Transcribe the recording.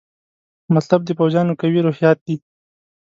مطلب د پوځیانو قوي روحیات دي.